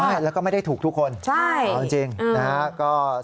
ไม่แล้วก็ไม่ได้ถูกทุกคนจริงนะฮะก็ใช่